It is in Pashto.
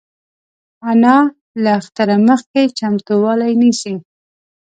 انا له اختره مخکې چمتووالی نیسي